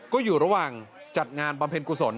ก็อยู่ระหว่างจัดงานบำเพ็ญกุศล